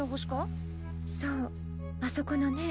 そうあそこのね